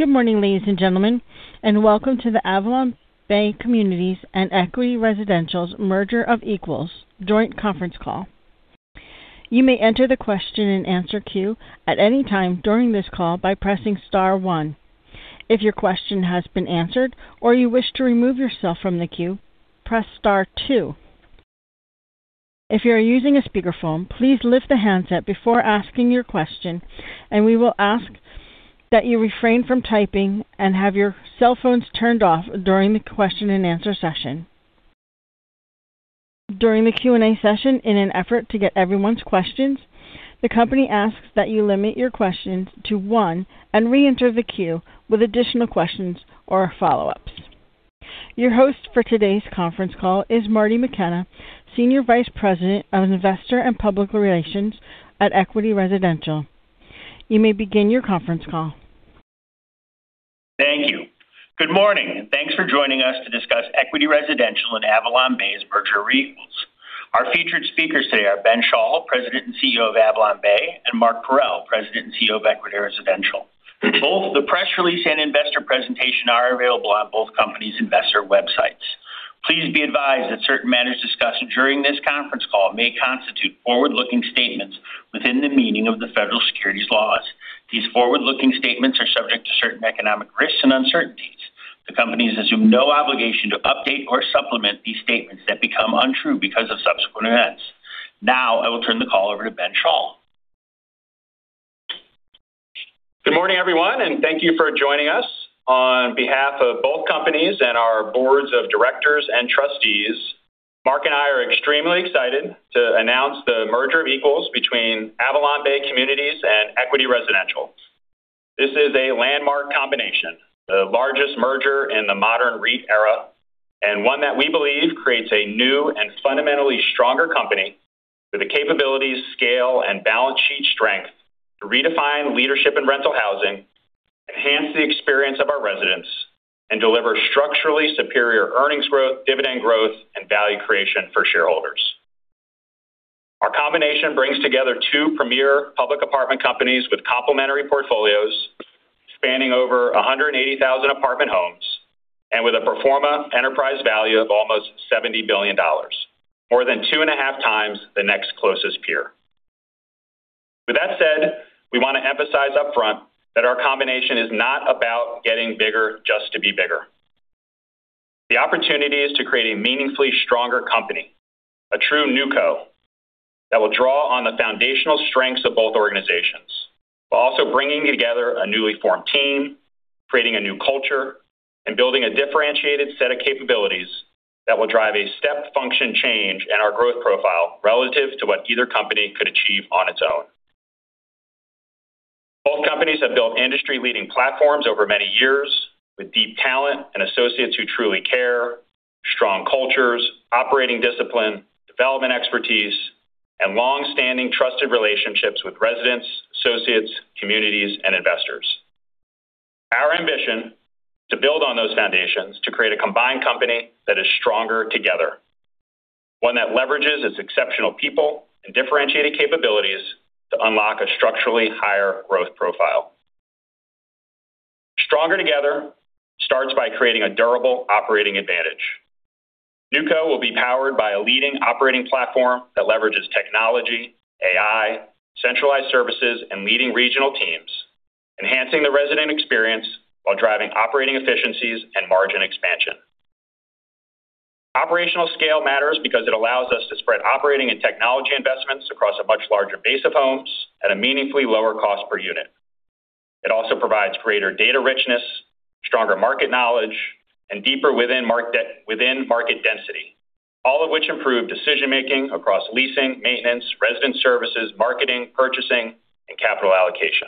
Good morning, ladies and gentlemen, welcome to the AvalonBay Communities and Equity Residential's merger of equals joint conference call. You may enter the question and answer queue at any time during this call by pressing star one. If your question has been answered or you wish to remove yourself from the queue, press star two. If you are using a speakerphone, please lift the handset before asking your question, and we will ask that you refrain from typing and have your cell phones turned off during the question-and-answer session. During the Q&A session, in an effort to get everyone's questions, the company asks that you limit your questions to one and re-enter the queue with additional questions or follow-ups. Your host for today's conference call is Marty McKenna, Senior Vice President of Investor and Public Relations at Equity Residential. You may begin your conference call. Thank you. Good morning, and thanks for joining us to discuss Equity Residential and AvalonBay's merger of equals. Our featured speakers today are Ben Schall, President and CEO of AvalonBay, and Mark Parrell, President and CEO of Equity Residential. Both the press release and investor presentation are available on both companies' investor websites. Please be advised that certain matters discussed during this conference call may constitute forward-looking statements within the meaning of the federal securities laws. These forward-looking statements are subject to certain economic risks and uncertainties. The companies assume no obligation to update or supplement these statements that become untrue because of subsequent events. Now, I will turn the call over to Ben Schall. Good morning, everyone, and thank you for joining us. On behalf of both companies and our boards of directors and trustees, Mark and I are extremely excited to announce the merger of equals between AvalonBay Communities and Equity Residential. This is a landmark combination, the largest merger in the modern REIT era, and one that we believe creates a new and fundamentally stronger company with the capabilities, scale, and balance sheet strength to redefine leadership in rental housing, enhance the experience of our residents, and deliver structurally superior earnings growth, dividend growth, and value creation for shareholders. Our combination brings together two premier public apartment companies with complementary portfolios spanning over 180,000 apartment homes and with a pro forma enterprise value of almost $70 billion, more than 2.5x the next closest peer. With that said, we want to emphasize upfront that our combination is not about getting bigger just to be bigger. The opportunity is to create a meaningfully stronger company, a true NewCo that will draw on the foundational strengths of both organizations while also bringing together a newly formed team, creating a new culture, and building a differentiated set of capabilities that will drive a step function change in our growth profile relative to what either company could achieve on its own. Both companies have built industry-leading platforms over many years with deep talent and associates who truly care, strong cultures, operating discipline, development expertise, and long-standing trusted relationships with residents, associates, communities, and investors. Our ambition, to build on those foundations to create a combined company that is stronger together, one that leverages its exceptional people and differentiating capabilities to unlock a structurally higher growth profile. Stronger together starts by creating a durable operating advantage. NewCo will be powered by a leading operating platform that leverages technology, AI, centralized services, and leading regional teams, enhancing the resident experience while driving operating efficiencies and margin expansion. Operational scale matters because it allows us to spread operating and technology investments across a much larger base of homes at a meaningfully lower cost per unit. It also provides greater data richness, stronger market knowledge, and deeper within market density, all of which improve decision-making across leasing, maintenance, resident services, marketing, purchasing, and capital allocation.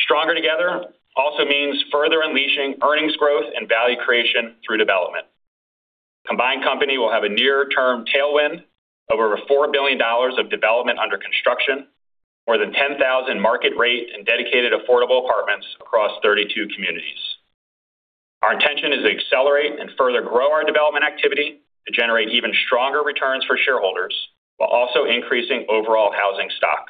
Stronger together also means further unleashing earnings growth and value creation through development. Combined company will have a near-term tailwind of over $4 billion of development under construction, more than 10,000 market rate and dedicated affordable apartments across 32 communities. Our intention is to accelerate and further grow our development activity to generate even stronger returns for shareholders while also increasing overall housing stock.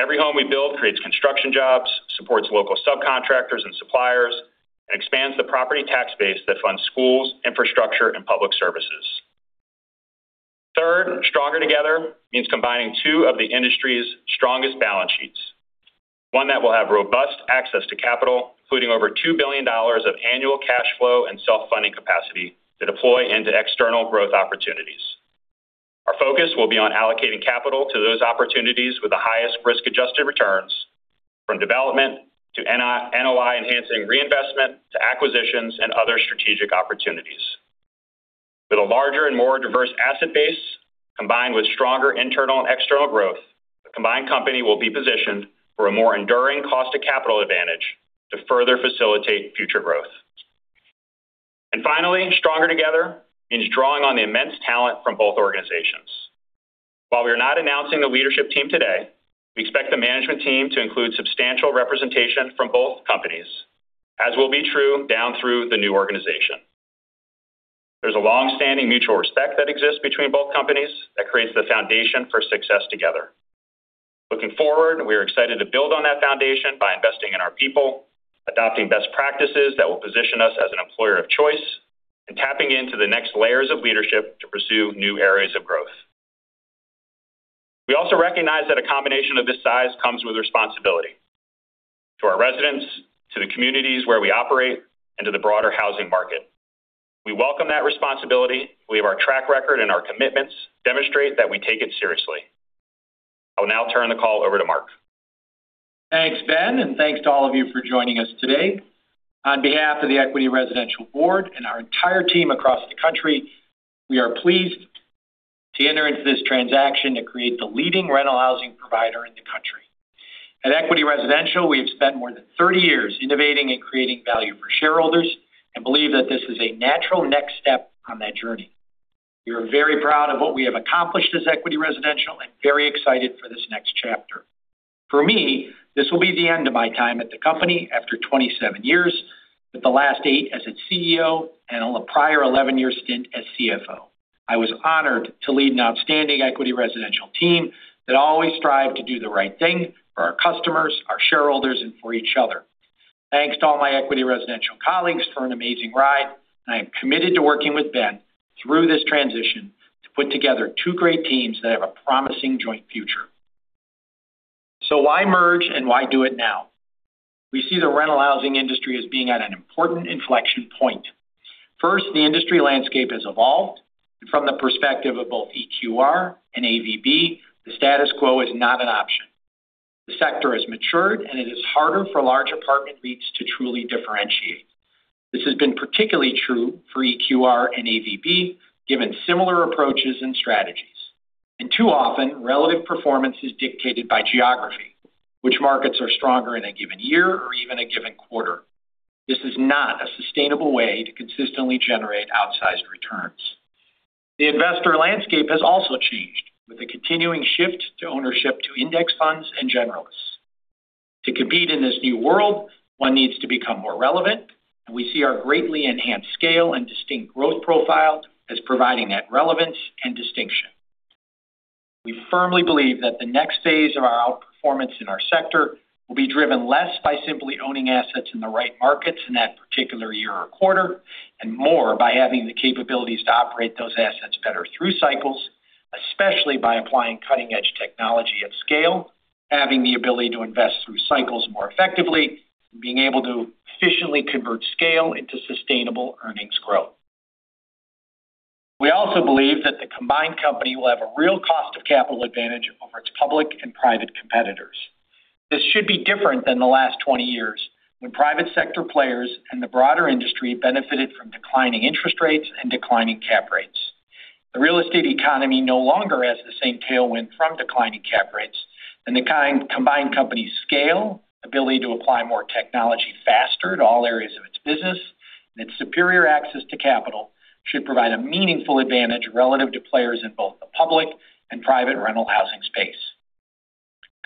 Every home we build creates construction jobs, supports local subcontractors and suppliers, and expands the property tax base that funds schools, infrastructure, and public services. Third, stronger together means combining two of the industry's strongest balance sheets, one that will have robust access to capital, including over $2 billion of annual cash flow and self-funding capacity to deploy into external growth opportunities. Our focus will be on allocating capital to those opportunities with the highest risk-adjusted returns from development to NOI enhancing reinvestment to acquisitions and other strategic opportunities. With a larger and more diverse asset base combined with stronger internal and external growth, the combined company will be positioned for a more enduring cost of capital advantage to further facilitate future growth. Finally, stronger together means drawing on the immense talent from both organizations. While we are not announcing the leadership team today, we expect the management team to include substantial representation from both companies, as will be true down through the new organization. There's a longstanding mutual respect that exists between both companies that creates the foundation for success together. Looking forward, we are excited to build on that foundation by investing in our people, adopting best practices that will position us as an employer of choice, and tapping into the next layers of leadership to pursue new areas of growth. We also recognize that a combination of this size comes with responsibility to our residents, to the communities where we operate, and to the broader housing market. We welcome that responsibility. We have our track record, and our commitments demonstrate that we take it seriously. I will now turn the call over to Mark. Thanks, Ben, and thanks to all of you for joining us today. On behalf of the Equity Residential board and our entire team across the country, we are pleased to enter into this transaction to create the leading rental housing provider in the country. At Equity Residential, we have spent more than 30 years innovating and creating value for shareholders and believe that this is a natural next step on that journey. We are very proud of what we have accomplished as Equity Residential and very excited for this next chapter. For me, this will be the end of my time at the company after 27 years, with the last eight as its CEO and a prior 11-year stint as CFO. I was honored to lead an outstanding Equity Residential team that always strived to do the right thing for our customers, our shareholders, and for each other. Thanks to all my Equity Residential colleagues for an amazing ride. I am committed to working with Ben through this transition to put together two great teams that have a promising joint future. Why merge and why do it now? We see the rental housing industry as being at an important inflection point. First, the industry landscape has evolved, and from the perspective of both EQR and AVB, the status quo is not an option. The sector has matured, and it is harder for large apartment REITs to truly differentiate. This has been particularly true for EQR and AVB, given similar approaches and strategies. Too often, relative performance is dictated by geography, which markets are stronger in a given year or even a given quarter. This is not a sustainable way to consistently generate outsized returns. The investor landscape has also changed, with a continuing shift to ownership to index funds and generalists. To compete in this new world, one needs to become more relevant, and we see our greatly enhanced scale and distinct growth profile as providing that relevance and distinction. We firmly believe that the next phase of our outperformance in our sector will be driven less by simply owning assets in the right markets in that particular year or quarter, and more by having the capabilities to operate those assets better through cycles, especially by applying cutting-edge technology at scale, having the ability to invest through cycles more effectively, being able to efficiently convert scale into sustainable earnings growth. We also believe that the combined company will have a real cost of capital advantage over its public and private competitors. This should be different than the last 20 years, when private sector players and the broader industry benefited from declining interest rates and declining cap rates. The real estate economy no longer has the same tailwind from declining cap rates, and the combined company's scale, ability to apply more technology faster to all areas of its business, and its superior access to capital should provide a meaningful advantage relative to players in both the public and private rental housing space.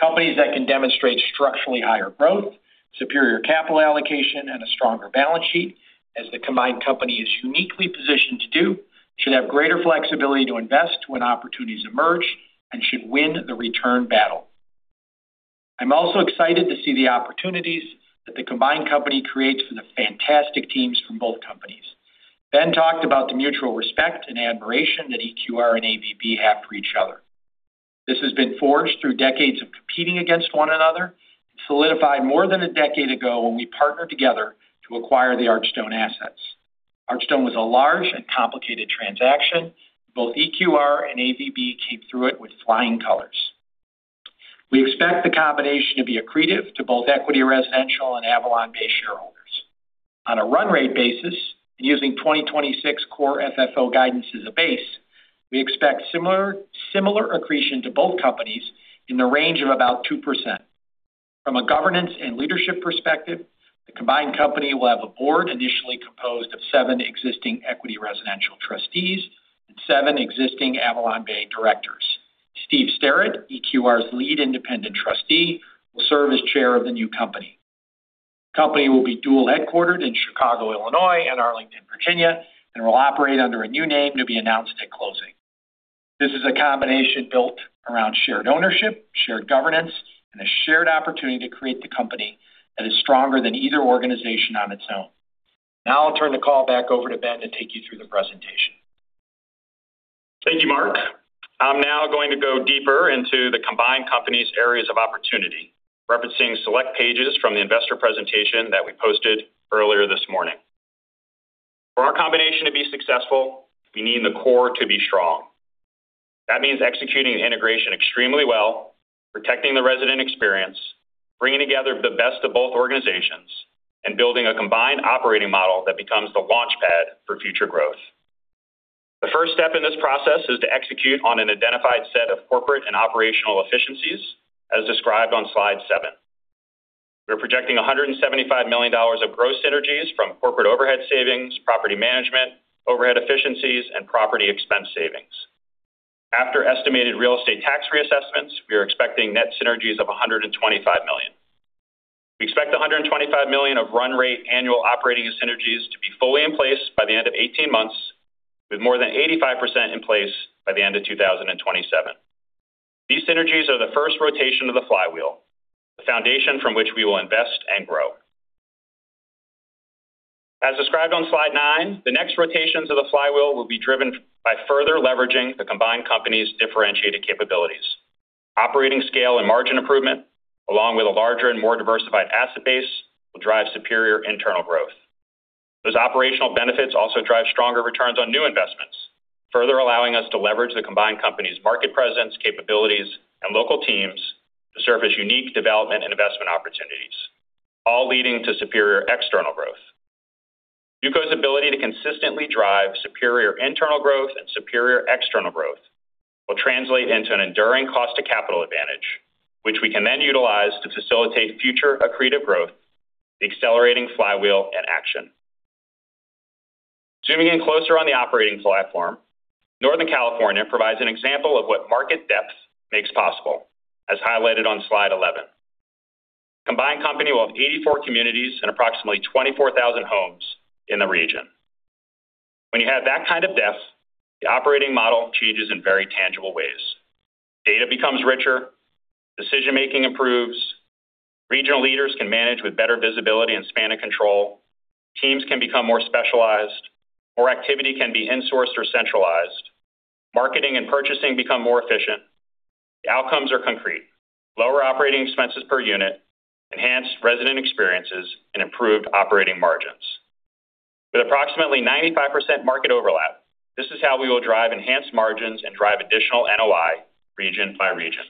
Companies that can demonstrate structurally higher growth, superior capital allocation, and a stronger balance sheet, as the combined company is uniquely positioned to do, should have greater flexibility to invest when opportunities emerge and should win the return battle. I'm also excited to see the opportunities that the combined company creates for the fantastic teams from both companies. Ben talked about the mutual respect and admiration that EQR and AVB have for each other. This has been forged through decades of competing against one another and solidified more than a decade ago when we partnered together to acquire the Archstone assets. Archstone was a large and complicated transaction. Both EQR and AVB came through it with flying colors. We expect the combination to be accretive to both Equity Residential and AvalonBay shareholders. On a run rate basis and using 2026 Core FFO guidance as a base, we expect similar accretion to both companies in the range of about 2%. From a governance and leadership perspective, the combined company will have a board initially composed of seven existing Equity Residential trustees and seven existing AvalonBay directors. Steve Sterrett, EQR's lead independent trustee, will serve as chair of the new company. The company will be dual-headquartered in Chicago, Illinois, and Arlington, Virginia, and will operate under a new name to be announced at closing. This is a combination built around shared ownership, shared governance, and a shared opportunity to create the company that is stronger than either organization on its own. I'll turn the call back over to Ben to take you through the presentation. Thank you, Mark. I'm now going to go deeper into the combined company's areas of opportunity, referencing select pages from the investor presentation that we posted earlier this morning. For our combination to be successful, we need the core to be strong. That means executing the integration extremely well, protecting the resident experience, bringing together the best of both organizations, and building a combined operating model that becomes the launchpad for future growth. The first step in this process is to execute on an identified set of corporate and operational efficiencies, as described on slide seven. We're projecting $175 million of gross synergies from corporate overhead savings, property management, overhead efficiencies, and property expense savings. After estimated real estate tax reassessments, we are expecting net synergies of $125 million. We expect $125 million of run-rate annual operating synergies to be fully in place by the end of 18 months, with more than 85% in place by the end of 2027. These synergies are the first rotation of the flywheel, the foundation from which we will invest and grow. As described on slide nine, the next rotations of the flywheel will be driven by further leveraging the combined company's differentiated capabilities. Operating scale and margin improvement, along with a larger and more diversified asset base, will drive superior internal growth. Those operational benefits also drive stronger returns on new investments, further allowing us to leverage the combined company's market presence, capabilities, and local teams to surface unique development and investment opportunities, all leading to superior external growth. NewCo's ability to consistently drive superior internal growth and superior external growth will translate into an enduring cost to capital advantage, which we can then utilize to facilitate future accretive growth, the accelerating flywheel in action. Zooming in closer on the operating platform, Northern California provides an example of what market depth makes possible, as highlighted on slide 11. Combined company will have 84 communities and approximately 24,000 homes in the region. When you have that kind of depth, the operating model changes in very tangible ways. Data becomes richer. Decision-making improves. Regional leaders can manage with better visibility and span of control. Teams can become more specialized. More activity can be insourced or centralized. Marketing and purchasing become more efficient. The outcomes are concrete. Lower operating expenses per unit, enhanced resident experiences, and improved operating margins. With approximately 95% market overlap, this is how we will drive enhanced margins and drive additional NOI region by region.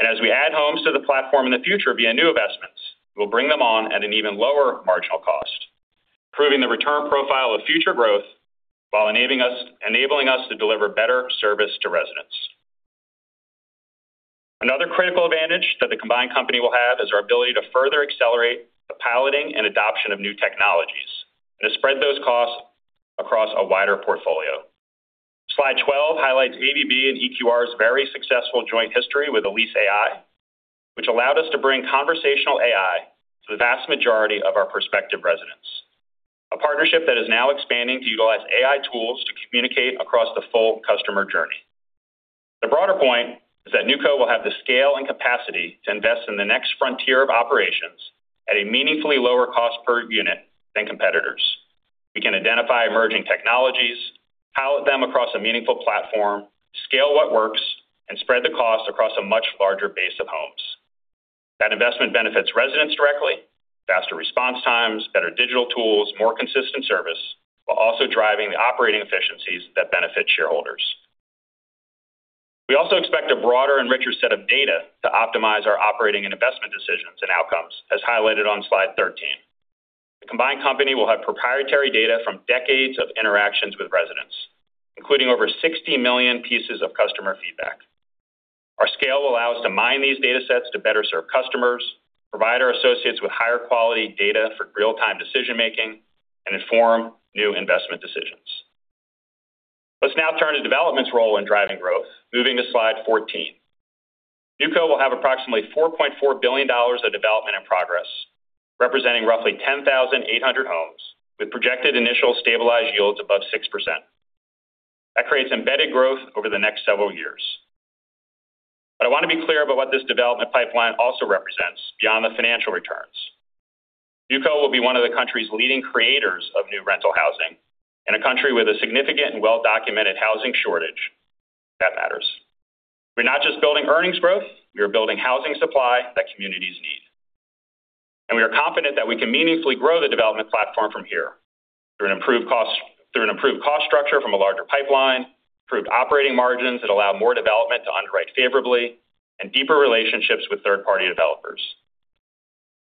As we add homes to the platform in the future via new investments, we'll bring them on at an even lower marginal cost, improving the return profile of future growth while enabling us to deliver better service to residents. Another critical advantage that the combined company will have is our ability to further accelerate the piloting and adoption of new technologies and to spread those costs across a wider portfolio. Slide 12 highlights AVB and EQR's very successful joint history with EliseAI, which allowed us to bring conversational AI to the vast majority of our prospective residents. A partnership that is now expanding to utilize AI tools to communicate across the full customer journey. The broader point is that NewCo will have the scale and capacity to invest in the next frontier of operations at a meaningfully lower cost per unit than competitors. We can identify emerging technologies, pilot them across a meaningful platform, scale what works, and spread the cost across a much larger base of homes. That investment benefits residents directly, faster response times, better digital tools, more consistent service, while also driving the operating efficiencies that benefit shareholders. We also expect a broader and richer set of data to optimize our operating and investment decisions and outcomes, as highlighted on slide 13. The combined company will have proprietary data from decades of interactions with residents, including over 60 million pieces of customer feedback. Our scale will allow us to mine these data sets to better serve customers, provide our associates with higher quality data for real-time decision-making, and inform new investment decisions. Let's now turn to development's role in driving growth. Moving to slide 14. NewCo will have approximately $4.4 billion of development in progress, representing roughly 10,800 homes, with projected initial stabilized yields above 6%. That creates embedded growth over the next several years. I want to be clear about what this development pipeline also represents beyond the financial returns. NewCo will be one of the country's leading creators of new rental housing. In a country with a significant and well-documented housing shortage, that matters. We're not just building earnings growth. We are building housing supply that communities need. We are confident that we can meaningfully grow the development platform from here through an improved cost structure from a larger pipeline, improved operating margins that allow more development to underwrite favorably, and deeper relationships with third-party developers.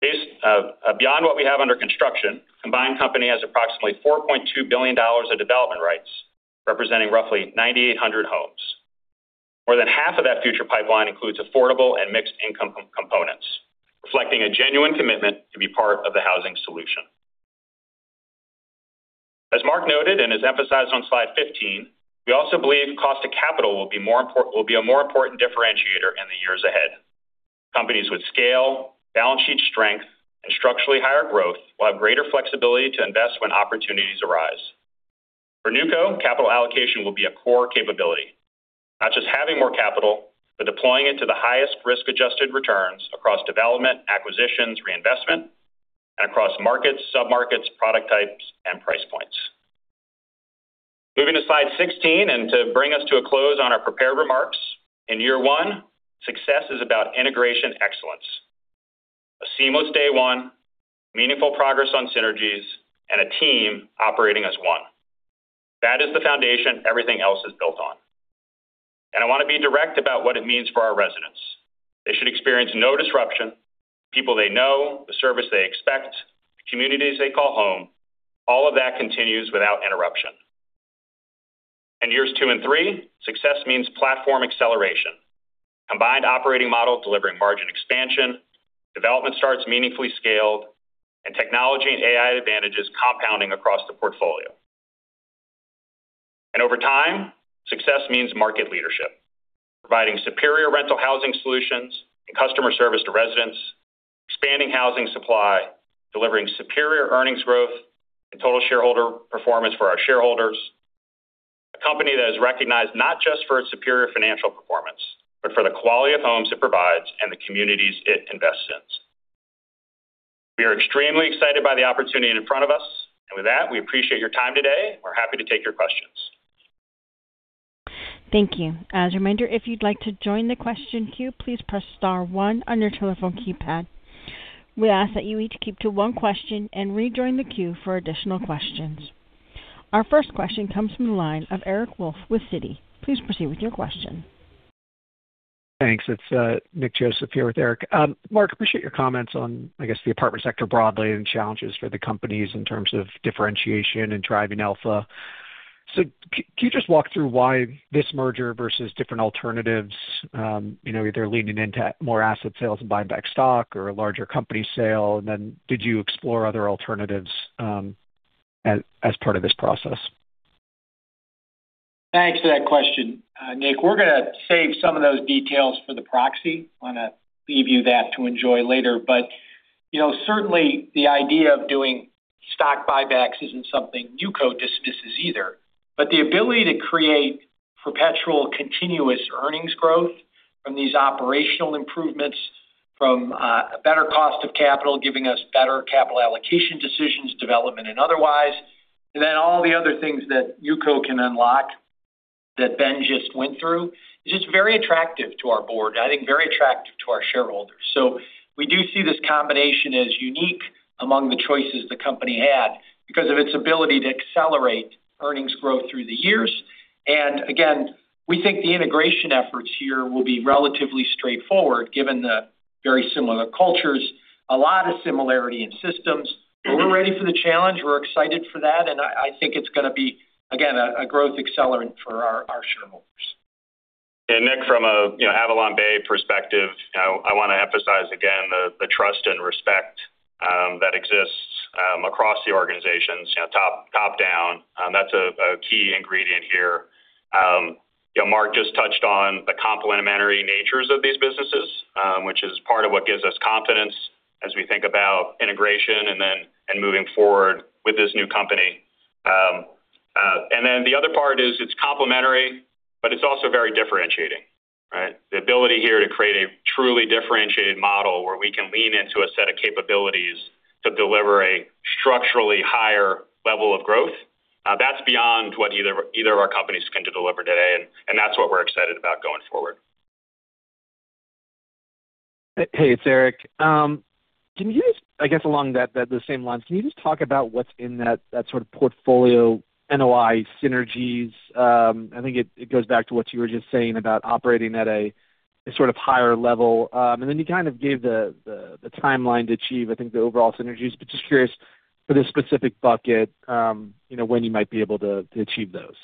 Beyond what we have under construction, combined company has approximately $4.2 billion of development rights, representing roughly 9,800 homes. More than half of that future pipeline includes affordable and mixed income components, reflecting a genuine commitment to be part of the housing solution. As Mark noted and is emphasized on slide 15, we also believe cost of capital will be a more important differentiator in the years ahead. Companies with scale, balance sheet strength, and structurally higher growth will have greater flexibility to invest when opportunities arise. For NewCo, capital allocation will be a core capability. Not just having more capital, but deploying it to the highest risk-adjusted returns across development, acquisitions, reinvestment, and across markets, submarkets, product types, and price points. Moving to slide 16 to bring us to a close on our prepared remarks. In year one, success is about integration excellence. A seamless day one, meaningful progress on synergies, and a team operating as one. That is the foundation everything else is built on. I want to be direct about what it means for our residents. They should experience no disruption. The people they know, the service they expect, the communities they call home, all of that continues without interruption. In years two and three, success means platform acceleration Combined operating model delivering margin expansion, development starts meaningfully scaled, and technology and AI advantages compounding across the portfolio. Over time, success means market leadership, providing superior rental housing solutions and customer service to residents, expanding housing supply, delivering superior earnings growth and total shareholder performance for our shareholders. A company that is recognized not just for its superior financial performance, but for the quality of homes it provides and the communities it invests in. We are extremely excited by the opportunity in front of us. With that, we appreciate your time today. We are happy to take your questions. Thank you. As a reminder, if you'd like to join the question queue, please press star one on your telephone keypad. We ask that you each keep to one question and rejoin the queue for additional questions. Our first question comes from the line of Eric Wolfe with Citi. Please proceed with your question. Thanks. It's Nick Joseph here with Eric. Mark, appreciate your comments on, I guess, the apartment sector broadly and challenges for the companies in terms of differentiation and driving alpha. Can you just walk through why this merger versus different alternatives, either leaning into more asset sales and buying back stock or a larger company sale? Did you explore other alternatives as part of this process? Thanks for that question, Nick. We're going to save some of those details for the proxy. Want to leave you that to enjoy later. Certainly, the idea of doing stock buybacks isn't something NewCo dismisses either. The ability to create perpetual continuous earnings growth from these operational improvements, from a better cost of capital giving us better capital allocation decisions, development and otherwise, and then all the other things that NewCo can unlock that Ben just went through, is just very attractive to our board, I think very attractive to our shareholders. We do see this combination as unique among the choices the company had because of its ability to accelerate earnings growth through the years. Again, we think the integration efforts here will be relatively straightforward given the very similar cultures, a lot of similarity in systems. We're ready for the challenge. We're excited for that. I think it's going to be, again, a growth accelerant for our shareholders. Nick, from an AvalonBay perspective, I want to emphasize again the trust and respect that exists across the organizations top-down. That's a key ingredient here. Mark just touched on the complementary natures of these businesses, which is part of what gives us confidence as we think about integration and moving forward with this new company. The other part is it's complementary, but it's also very differentiating, right? The ability here to create a truly differentiated model where we can lean into a set of capabilities to deliver a structurally higher level of growth. That's beyond what either of our companies can deliver today, and that's what we're excited about going forward. Hey, it's Eric. Can you guys, I guess along the same lines, can you just talk about what's in that sort of portfolio NOI synergies? I think it goes back to what you were just saying about operating at a sort of higher level, and then you kind of gave the timeline to achieve, I think the overall synergies. Just curious for this specific bucket when you might be able to achieve those?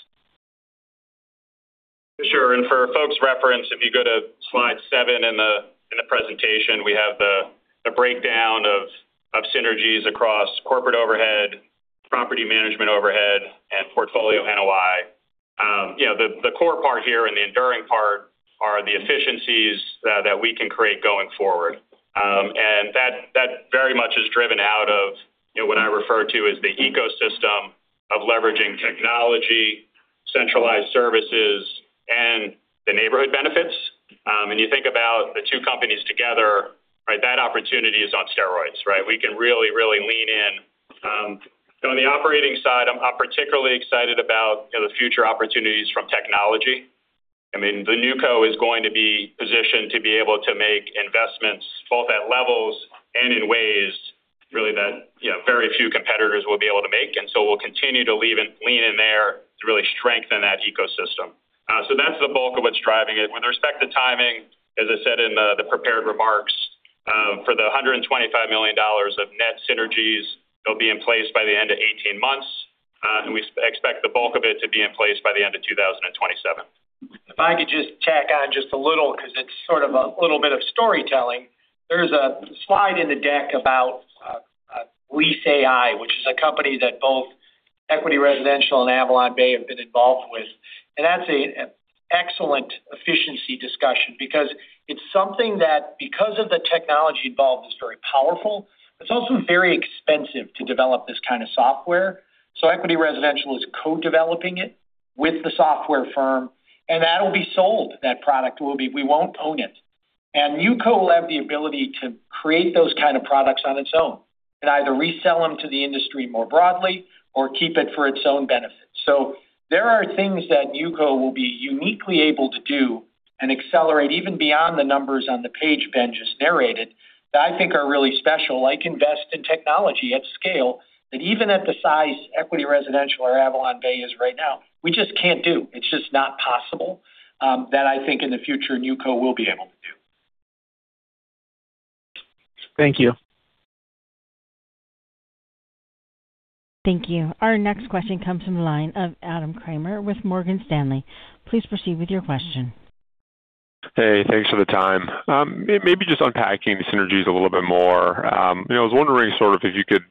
Sure. For folks' reference, if you go to slide seven in the presentation, we have the breakdown of synergies across corporate overhead, property management overhead, and portfolio NOI. The core part here and the enduring part are the efficiencies that we can create going forward. That very much is driven out of what I refer to as the ecosystem of leveraging technology, centralized services, and the neighborhood benefits. You think about the two companies together, that opportunity is on steroids, right? We can really lean in. On the operating side, I'm particularly excited about the future opportunities from technology. The NewCo is going to be positioned to be able to make investments both at levels and in ways really that very few competitors will be able to make. We'll continue to lean in there to really strengthen that ecosystem. That's the bulk of what's driving it. With respect to timing, as I said in the prepared remarks, for the $125 million of net synergies, they'll be in place by the end of 18 months. We expect the bulk of it to be in place by the end of 2027. If I could just tack on just a little because it's sort of a little bit of storytelling. There's a slide in the deck about EliseAI, which is a company that both Equity Residential and AvalonBay have been involved with, and that's an excellent efficiency discussion because it's something that because of the technology involved, is very powerful. It's also very expensive to develop this kind of software. Equity Residential is co-developing it with the software firm, and that'll be sold. That product will be. We won't own it. NewCo will have the ability to create those kind of products on its own and either resell them to the industry more broadly or keep it for its own benefit. There are things that NewCo will be uniquely able to do and accelerate even beyond the numbers on the page Ben just narrated that I think are really special, like invest in technology at scale, that even at the size Equity Residential or AvalonBay is right now, we just can't do. It's just not possible. That I think in the future, NewCo will be able to do. Thank you. Thank you. Our next question comes from the line of Adam Kramer with Morgan Stanley. Please proceed with your question. Just unpacking the synergies a little bit more. I was wondering if you could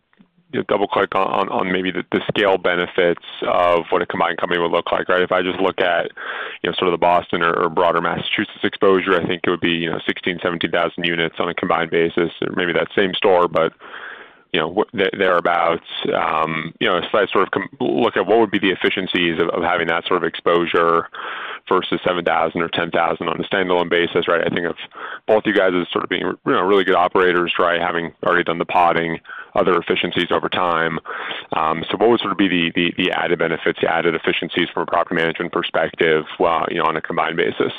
double-click on maybe the scale benefits of what a combined company would look like, right? If I just look at sort of the Boston or broader Massachusetts exposure, I think it would be 16,000, 17,000 units on a combined basis, or maybe that same store, but thereabout. A slight sort of look at what would be the efficiencies of having that sort of exposure versus 7,000 or 10,000 on a standalone basis, right? I think of both you guys as sort of being really good operators, right? Having already done the paring, other efficiencies over time. What would sort of be the added benefits, added efficiencies from a property management perspective on a combined basis?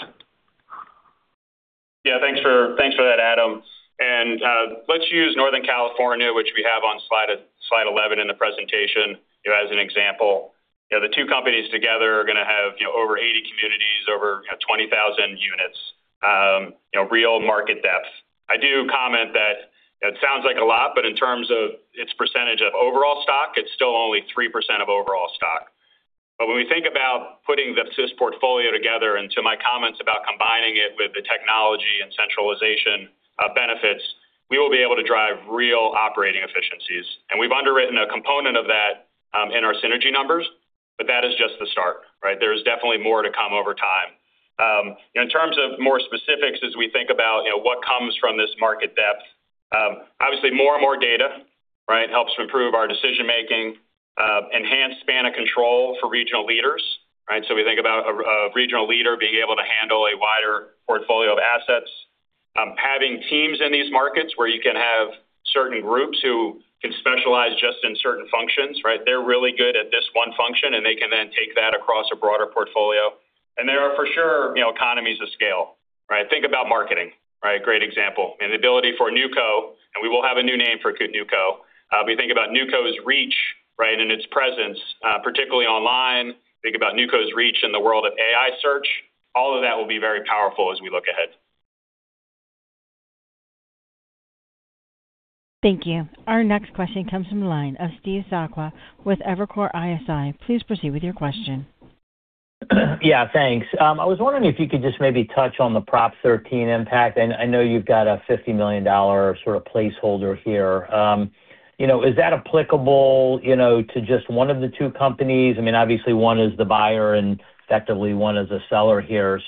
Yeah. Thanks for that, Adam, and let's use Northern California, which we have on slide 11 in the presentation, as an example. The two companies together are going to have over 80 communities, over 20,000 units, real market depth. I do comment that it sounds like a lot, but in terms of its percentage of overall stock, it's still only 3% of overall stock. When we think about putting the SIS portfolio together, and to my comments about combining it with the technology and centralization benefits, we will be able to drive real operating efficiencies. We've underwritten a component of that in our synergy numbers, but that is just the start, right? There is definitely more to come over time. In terms of more specifics as we think about what comes from this market depth. Obviously, more and more data helps to improve our decision making, enhance span of control for regional leaders. We think about a regional leader being able to handle a wider portfolio of assets. Having teams in these markets where you can have certain groups who can specialize just in certain functions, right? They're really good at this one function, and they can then take that across a broader portfolio. There are, for sure, economies of scale, right? Think about marketing. Great example. The ability for a NewCo, and we will have a new name for NewCo. We think about NewCo's reach and its presence, particularly online. Think about NewCo's reach in the world of AI search. All of that will be very powerful as we look ahead. Thank you. Our next question comes from the line of Steve Sakwa with Evercore ISI. Please proceed with your question. Yeah, thanks. I was wondering if you could just maybe touch on the Proposition 13 impact. I know you've got a $50 million sort of placeholder here. Is that applicable to just one of the two companies? Obviously, one is the buyer and effectively one is a seller here.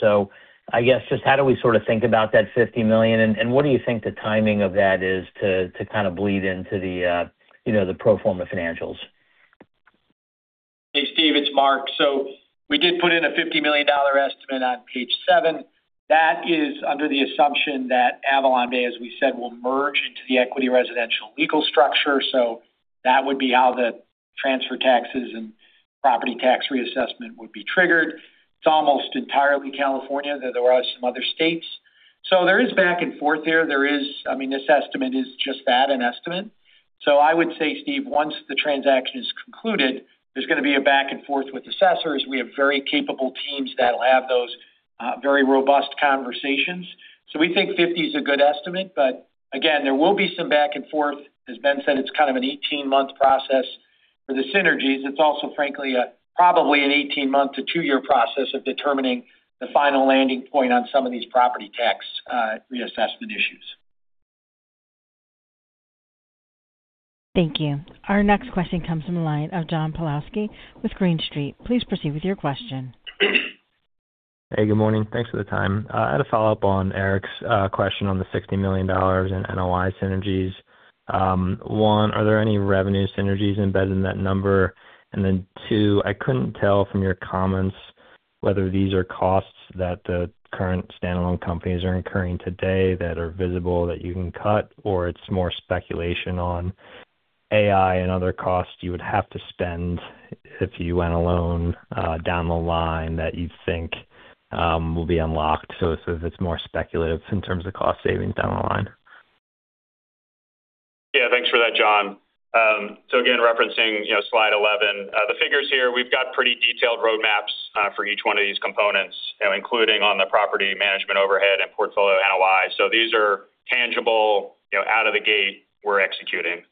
I guess just how do we sort of think about that $50 million, and what do you think the timing of that is to kind of bleed into the pro forma financials? Hey, Steve, it's Mark. We did put in a $50 million estimate on page seven. That is under the assumption that AvalonBay, as we said, will merge into the Equity Residential legal structure. That would be how the transfer taxes and property tax reassessment would be triggered. It's almost entirely California, though there are some other states. There is back and forth there. This estimate is just that, an estimate. I would say, Steve, once the transaction is concluded, there's going to be a back and forth with assessors. We have very capable teams that'll have those very robust conversations. We think $50 million is a good estimate, again, there will be some back and forth. As Ben said, it's kind of an 18-month process for the synergies. It's also, frankly, probably an 18-month to two-year process of determining the final landing point on some of these property tax reassessment issues. Thank you. Our next question comes from the line of John Pawlowski with Green Street. Please proceed with your question. Hey, good morning. Thanks for the time. I had a follow-up on Eric's question on the $60 million in NOI synergies. Are there any revenue synergies embedded in that number? I couldn't tell from your comments whether these are costs that the current standalone companies are incurring today that are visible that you can cut, or it's more speculation on AI and other costs you would have to spend if you went alone down the line that you think will be unlocked, if it's more speculative in terms of cost savings down the line. Yeah, thanks for that, John. Again, referencing slide 11. The figures here, we've got pretty detailed roadmaps for each one of these components, including on the property management overhead and portfolio NOI. These are tangible, out-of-the-gate, we're executing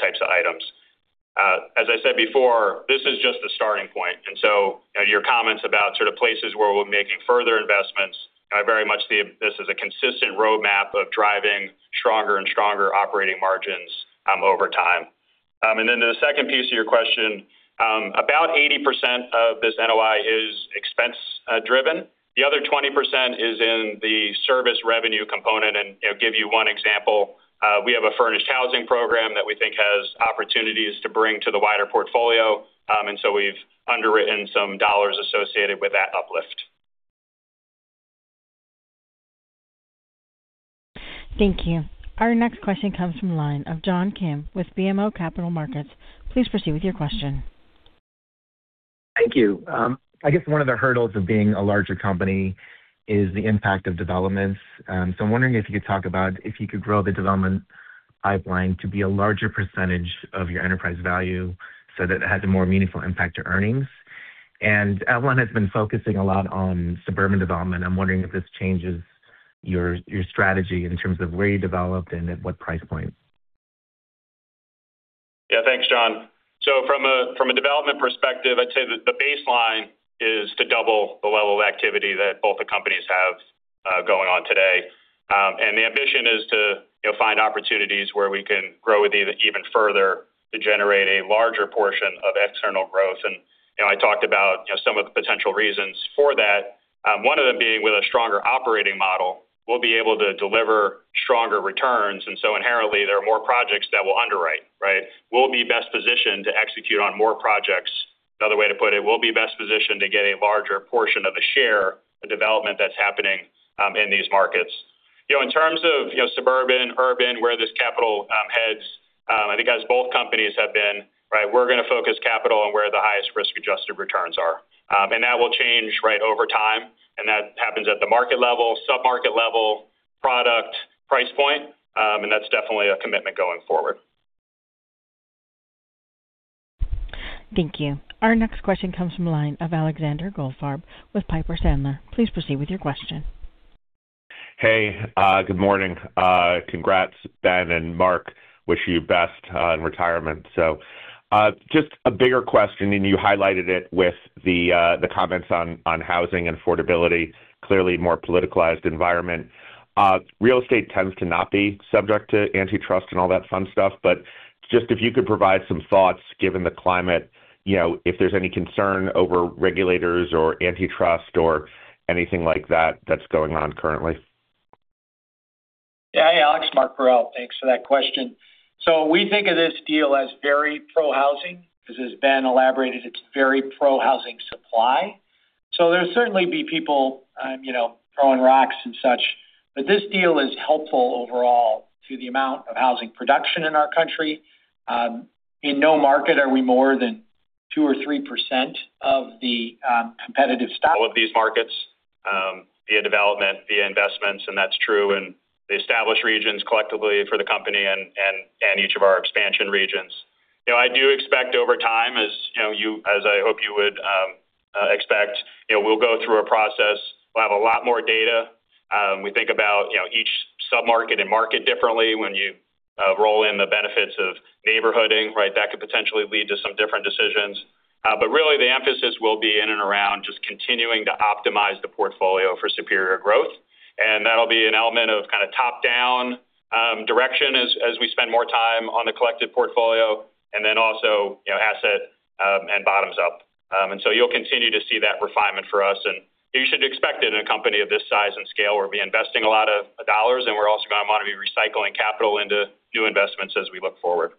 types of items. As I said before, this is just the starting point, your comments about sort of places where we're making further investments, I very much see this as a consistent roadmap of driving stronger and stronger operating margins over time. To the second piece of your question. About 80% of this NOI is expense driven. The other 20% is in the service revenue component, give you one example. We have a furnished housing program that we think has opportunities to bring to the wider portfolio, we've underwritten some dollars associated with that uplift. Thank you. Our next question comes from the line of John Kim with BMO Capital Markets. Please proceed with your question. Thank you. I guess one of the hurdles of being a larger company is the impact of developments. I'm wondering if you could talk about if you could grow the development pipeline to be a larger percentage of your enterprise value so that it has a more meaningful impact to earnings? Avalon has been focusing a lot on suburban development. I'm wondering if this changes your strategy in terms of where you developed and at what price points. Yeah, thanks, John. From a development perspective, I'd say that the baseline is to double the level of activity that both the companies have going on today. The ambition is to find opportunities where we can grow even further to generate a larger portion of external growth. I talked about some of the potential reasons for that. One of them being with a stronger operating model, we'll be able to deliver stronger returns, inherently, there are more projects that we'll underwrite. We'll be best positioned to execute on more projects. Another way to put it, we'll be best positioned to get a larger portion of the share of development that's happening in these markets. In terms of suburban, urban, where this capital heads, I think as both companies have been, we're going to focus capital on where the highest risk-adjusted returns are. That will change over time, and that happens at the market level, sub-market level, product, price point. That's definitely a commitment going forward. Thank you. Our next question comes from the line of Alexander Goldfarb with Piper Sandler. Please proceed with your question. Hey, good morning. Congrats, Ben and Mark. Wish you best in retirement. Just a bigger question, and you highlighted it with the comments on housing and affordability, clearly more politicized environment. Real estate tends to not be subject to antitrust and all that fun stuff, but just if you could provide some thoughts given the climate, if there's any concern over regulators or antitrust or anything like that that's going on currently. Yeah. Hey, Alex. Mark Parrell. Thanks for that question. We think of this deal as very pro-housing because as Ben elaborated, it's very pro-housing supply. There'll certainly be people throwing rocks and such, but this deal is helpful overall to the amount of housing production in our country. In no market are we more than 2% or 3% of the competitive stock. All of these markets, via development, via investments, that's true in the established regions collectively for the company and each of our expansion regions. I do expect over time, as I hope you would expect, we'll go through a process. We'll have a lot more data. We think about each sub-market and market differently. When you roll in the benefits of neighborhooding, that could potentially lead to some different decisions. Really, the emphasis will be in and around just continuing to optimize the portfolio for superior growth. That'll be an element of kind of top-down direction as we spend more time on the collective portfolio, then also asset and bottoms-up. You'll continue to see that refinement for us, and you should expect it in a company of this size and scale. We'll be investing a lot of dollars, and we're also going to want to be recycling capital into new investments as we look forward.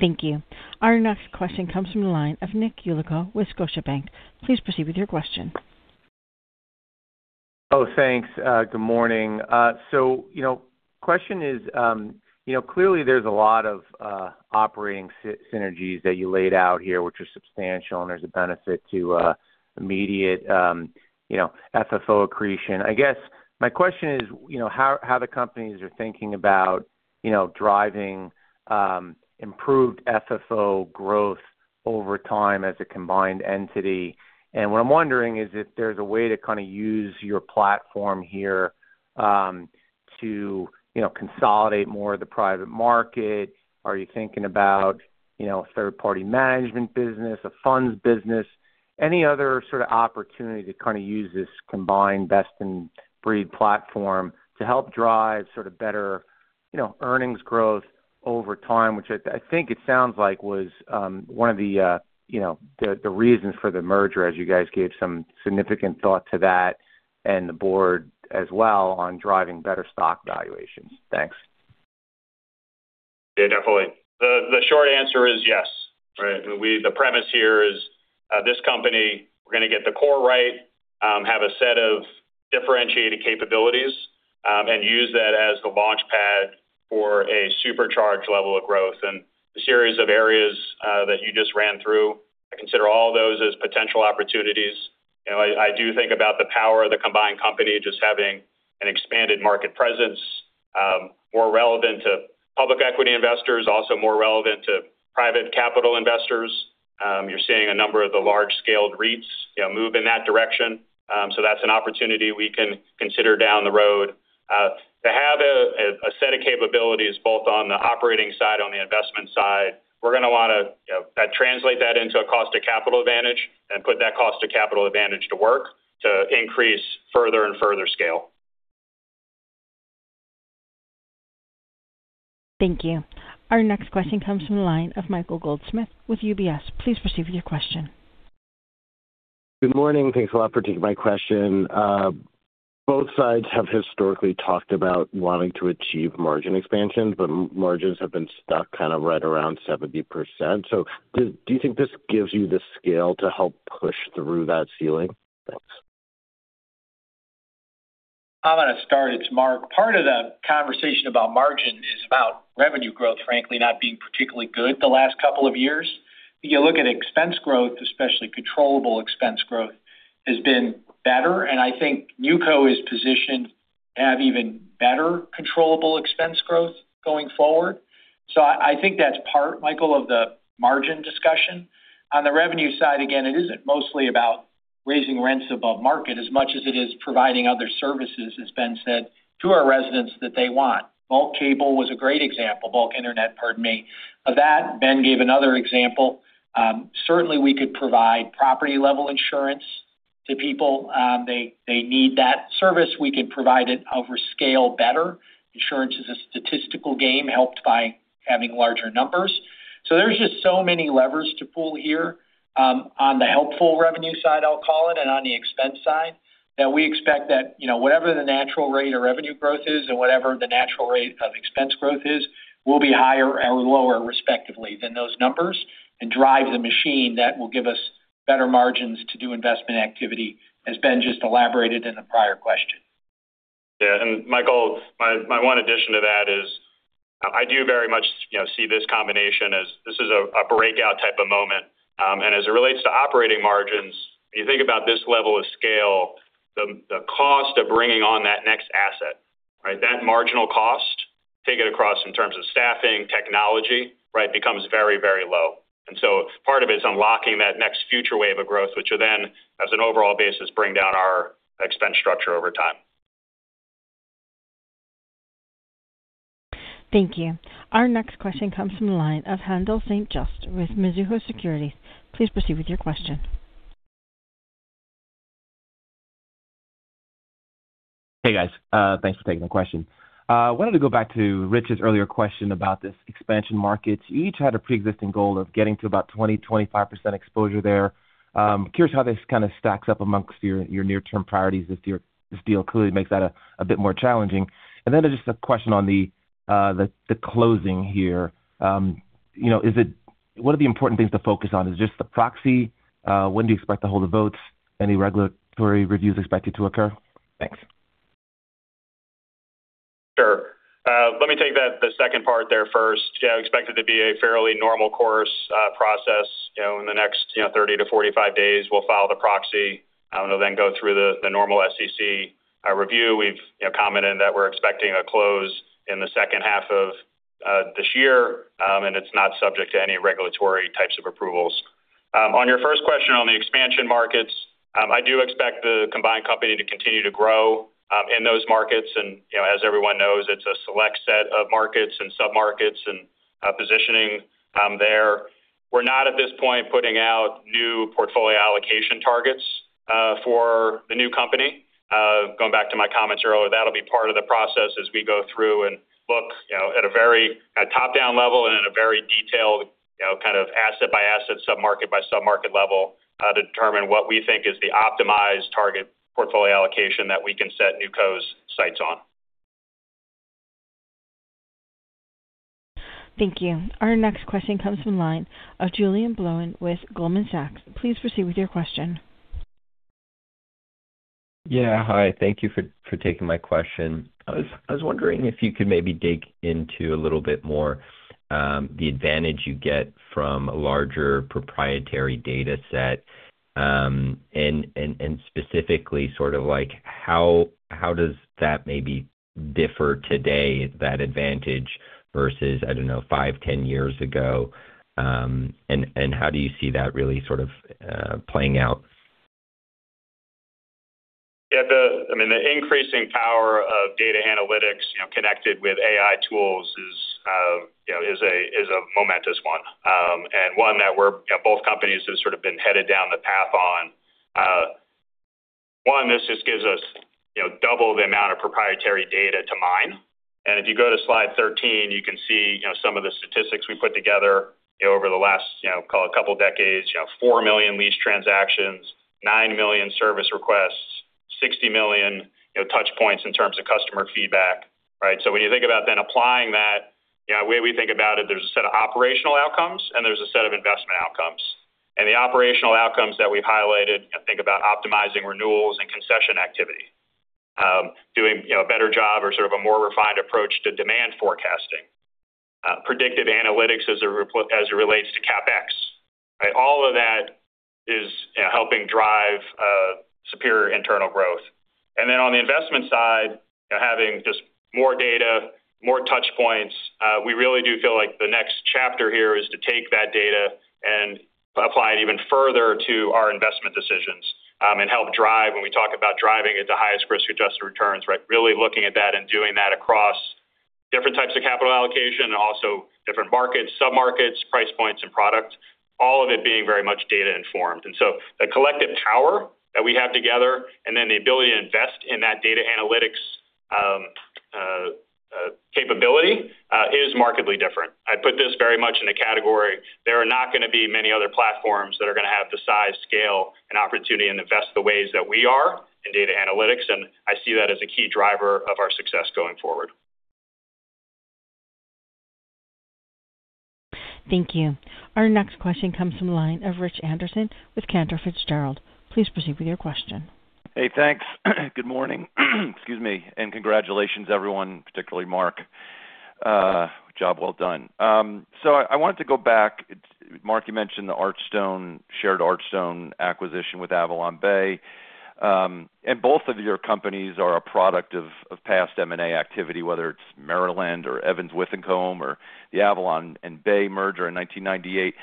Thank you. Our next question comes from the line of Nick Yulico with Scotiabank. Please proceed with your question. Oh, thanks. Good morning. Question is, clearly there's a lot of operating synergies that you laid out here, which are substantial, and there's a benefit to immediate FFO accretion. I guess my question is how the companies are thinking about driving improved FFO growth over time as a combined entity. What I'm wondering is if there's a way to kind of use your platform here to consolidate more of the private market. Are you thinking about a third-party management business, a funds business? Any other sort of opportunity to kind of use this combined best-in-breed platform to help drive sort of better earnings growth over time, which I think it sounds like was one of the reasons for the merger as you guys gave some significant thought to that, and the board as well on driving better stock valuations. Thanks. Yeah, definitely. The short answer is yes. Right? The premise here is, this company, we're going to get the core right, have a set of differentiated capabilities, and use that as the launchpad for a supercharged level of growth. The series of areas that you just ran through, I consider all those as potential opportunities. I do think about the power of the combined company just having an expanded market presence, more relevant to public equity investors, also more relevant to private capital investors. You're seeing a number of the large-scaled REITs move in that direction. That's an opportunity we can consider down the road. To have a set of capabilities both on the operating side, on the investment side, we're going to want to translate that into a cost of capital advantage and put that cost of capital advantage to work to increase further and further scale. Thank you. Our next question comes from the line of Michael Goldsmith with UBS. Please proceed with your question. Good morning. Thanks a lot for taking my question. Both sides have historically talked about wanting to achieve margin expansion, margins have been stuck kind of right around 70%. Do you think this gives you the scale to help push through that ceiling? Thanks. I'm going to start. It's Mark. Part of the conversation about margin is about revenue growth, frankly, not being particularly good the last couple of years. If you look at expense growth, especially controllable expense growth, has been better, and I think NewCo is positioned to have even better controllable expense growth going forward. I think that's part, Michael, of the margin discussion. On the revenue side, again, it isn't mostly about raising rents above market as much as it is providing other services, as Ben said, to our residents that they want. Bulk cable was a great example. Bulk internet, pardon me. Of that, Ben gave another example. Certainly, we could provide property-level insurance to people. They need that service. We could provide it over scale better. Insurance is a statistical game helped by having larger numbers. There's just so many levers to pull here on the helpful revenue side, I'll call it, and on the expense side, that we expect that whatever the natural rate of revenue growth is and whatever the natural rate of expense growth is, we'll be higher or lower, respectively, than those numbers and drive the machine that will give us better margins to do investment activity, as Ben just elaborated in the prior question. Yeah. Michael, my one addition to that is I do very much see this combination as this is a breakout type of moment. As it relates to operating margins, when you think about this level of scale, the cost of bringing on that next asset. That marginal cost, take it across in terms of staffing, technology, becomes very low. Part of it's unlocking that next future wave of growth, which will then, as an overall basis, bring down our expense structure over time. Thank you. Our next question comes from the line of Haendel St. Juste with Mizuho Securities. Please proceed with your question. Hey, guys. Thanks for taking the question. I wanted to go back to Rich's earlier question about this expansion markets. You each had a preexisting goal of getting to about 20%, 25% exposure there. Curious how this kind of stacks up amongst your near-term priorities. This deal clearly makes that a bit more challenging. Just a question on the closing here. What are the important things to focus on? Is it just the proxy? When do you expect to hold the votes? Any regulatory reviews expected to occur? Thanks. Sure. Let me take the second part there first. Yeah, expected to be a fairly normal course process. In the next 30-45 days, we'll file the proxy. It'll go through the normal SEC review. We've commented that we're expecting a close in the second half of this year. It's not subject to any regulatory types of approvals. On your first question on the expansion markets, I do expect the combined company to continue to grow in those markets. As everyone knows, it's a select set of markets and sub-markets and positioning there. We're not at this point putting out new portfolio allocation targets for the new company. Going back to my comments earlier, that'll be part of the process as we go through and look at a top-down level and in a very detailed kind of asset by asset, sub-market by sub-market level to determine what we think is the optimized target portfolio allocation that we can set NewCo's sights on. Thank you. Our next question comes from the line of Julien Blouin with Goldman Sachs. Please proceed with your question. Yeah. Hi. Thank you for taking my question. I was wondering if you could maybe dig into a little bit more the advantage you get from a larger proprietary data set. Specifically sort of like how does that maybe differ today, that advantage, versus, I don't know, 5, 10 years ago? How do you see that really sort of playing out? Yeah. The increasing power of data analytics connected with AI tools is a momentous one that both companies have sort of been headed down the path on. One, this just gives us double the amount of proprietary data to mine. If you go to slide 13, you can see some of the statistics we put together over the last, call it couple decades. 4 million lease transactions, 9 million service requests, 60 million touch points in terms of customer feedback, right? When you think about then applying that, the way we think about it, there's a set of operational outcomes and there's a set of investment outcomes. The operational outcomes that we've highlighted, think about optimizing renewals and concession activity. Doing a better job or sort of a more refined approach to demand forecasting. Predictive analytics as it relates to CapEx, right? All of that is helping drive superior internal growth. On the investment side, having just more data, more touch points, we really do feel like the next chapter here is to take that data and apply it even further to our investment decisions, and help drive when we talk about driving at the highest risk-adjusted returns, right? Really looking at that and doing that across different types of capital allocation and also different markets, sub-markets, price points, and product, all of it being very much data informed. The collective power that we have together and then the ability to invest in that data analytics capability is markedly different. I put this very much in a category. There are not going to be many other platforms that are going to have the size, scale, and opportunity and invest the ways that we are in data analytics, and I see that as a key driver of our success going forward. Thank you. Our next question comes from the line of Rich Anderson with Cantor Fitzgerald. Please proceed with your question. Hey, thanks. Good morning. Excuse me. Congratulations, everyone, particularly Mark. Job well done. I wanted to go back, Mark, you mentioned the shared Archstone acquisition with AvalonBay. Both of your companies are a product of past M&A activity, whether it's Merry Land or Evans Withycombe or the Avalon and Bay merger in 1998.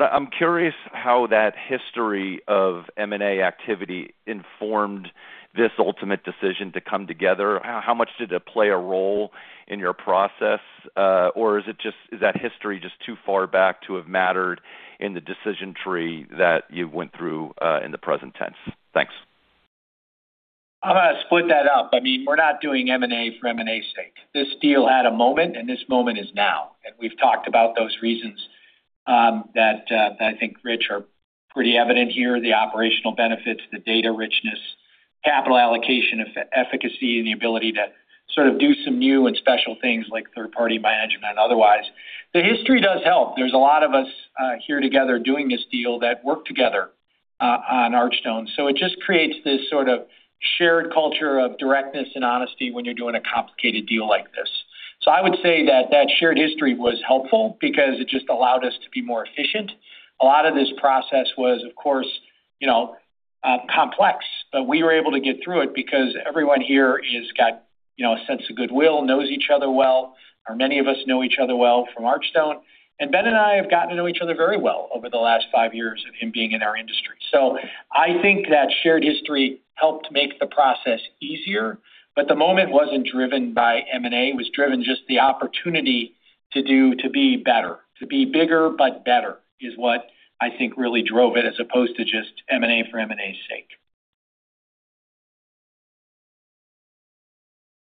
I'm curious how that history of M&A activity informed this ultimate decision to come together. How much did it play a role in your process? Is that history just too far back to have mattered in the decision tree that you went through in the present tense? Thanks. I'm going to split that up. We're not doing M&A for M&A's sake. This deal had a moment. This moment is now. We've talked about those reasons that I think, Rich, are pretty evident here, the operational benefits, the data richness, capital allocation efficacy, and the ability to sort of do some new and special things like third-party management otherwise. The history does help. There's a lot of us here together doing this deal that worked together on Archstone. It just creates this sort of shared culture of directness and honesty when you're doing a complicated deal like this. I would say that that shared history was helpful because it just allowed us to be more efficient. A lot of this process was, of course, complex, but we were able to get through it because everyone here has got a sense of goodwill, knows each other well, or many of us know each other well from Archstone. Ben and I have gotten to know each other very well over the last five years of him being in our industry. I think that shared history helped make the process easier, but the moment wasn't driven by M&A. It was driven just the opportunity to be better, to be bigger, but better, is what I think really drove it, as opposed to just M&A for M&A's sake.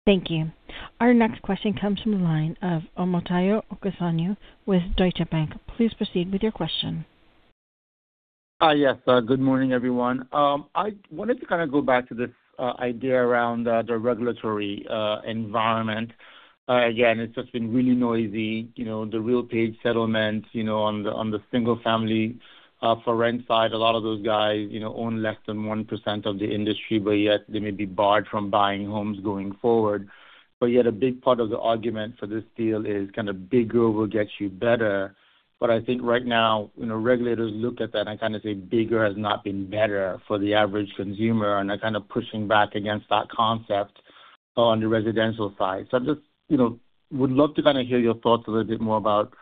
Thank you. Our next question comes from the line of Omotayo Okusanya with Deutsche Bank. Please proceed with your question. Yes. Good morning, everyone. I wanted to kind of go back to this idea around the regulatory environment. It's just been really noisy. The RealPage settlement on the single family for rent side. A lot of those guys own less than 1% of the industry, yet they may be barred from buying homes going forward. Yet a big part of the argument for this deal is kind of bigger will get you better. I think right now, regulators look at that and kind of say bigger has not been better for the average consumer, and they're kind of pushing back against that concept on the residential side. I just would love to kind of hear your thoughts a little bit more about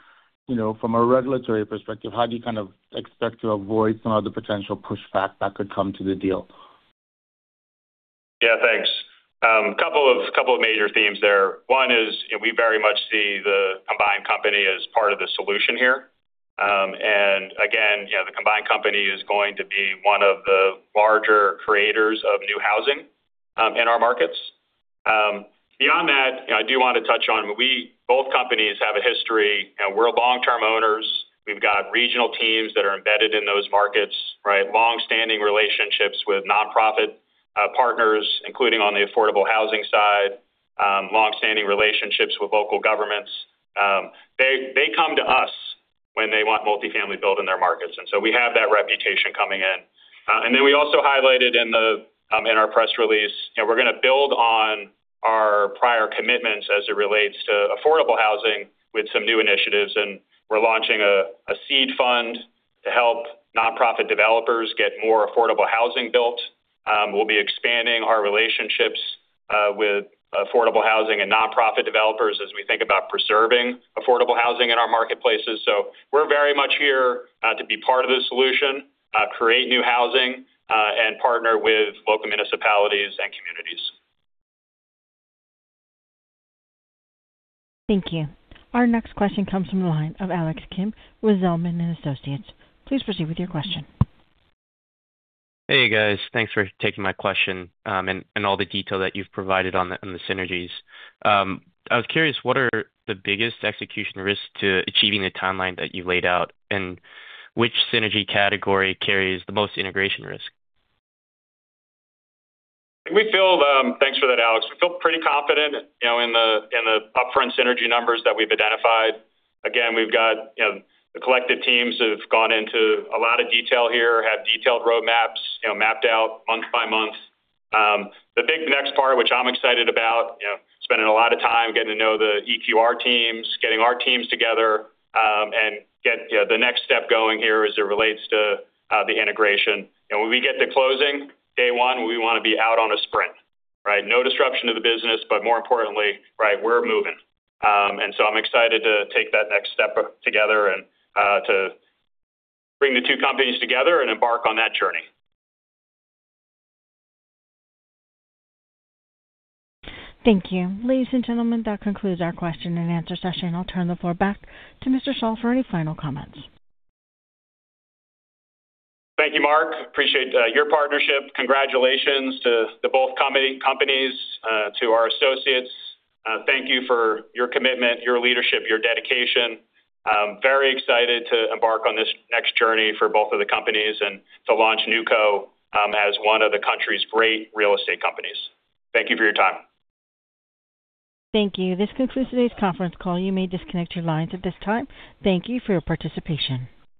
from a regulatory perspective, how do you kind of expect to avoid some of the potential pushback that could come to the deal? Yeah, thanks. Two major themes there. One is we very much see the combined company as part of the solution here. Again, the combined company is going to be one of the larger creators of new housing in our markets. Beyond that, I do want to touch on both companies have a history. We're long-term owners. We've got regional teams that are embedded in those markets, right? Long-standing relationships with nonprofit partners, including on the affordable housing side, long-standing relationships with local governments. They come to us when they want multifamily built in their markets. We have that reputation coming in. We also highlighted in our press release, we're going to build on our prior commitments as it relates to affordable housing with some new initiatives, and we're launching a seed fund to help nonprofit developers get more affordable housing built. We'll be expanding our relationships with affordable housing and nonprofit developers as we think about preserving affordable housing in our marketplaces. We're very much here to be part of the solution, create new housing and partner with local municipalities and communities. Thank you. Our next question comes from the line of Alex Kim with Zelman & Associates. Please proceed with your question. Hey, guys. Thanks for taking my question, and all the detail that you've provided on the synergies. I was curious, what are the biggest execution risks to achieving the timeline that you've laid out, and which synergy category carries the most integration risk? Thanks for that, Alex. We feel pretty confident in the upfront synergy numbers that we've identified. Again, we've got the collective teams who have gone into a lot of detail here, have detailed roadmaps mapped out month by month. The big next part, which I'm excited about, spending a lot of time getting to know the EQR teams, getting our teams together, and get the next step going here as it relates to the integration. When we get to closing, day one, we want to be out on a sprint, right? No disruption to the business, but more importantly, we're moving. I'm excited to take that next step together and to bring the two companies together and embark on that journey. Thank you. Ladies and gentlemen, that concludes our question and answer session. I'll turn the floor back to Mr. Schall for any final comments. Thank you, Mark. Appreciate your partnership. Congratulations to both companies, to our associates. Thank you for your commitment, your leadership, your dedication. Very excited to embark on this next journey for both of the companies and to launch NewCo as one of the country's great real estate companies. Thank you for your time. Thank you. This concludes today's conference call. You may disconnect your lines at this time. Thank you for your participation.